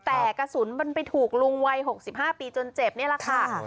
แต่กระสุนมันไปถูกลุงวัย๖๕ปีจนเจ็บนี่แหละค่ะ